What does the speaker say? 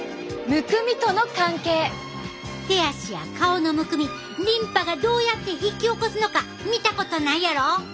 手足や顔のむくみリンパがどうやって引き起こすのか見たことないやろ？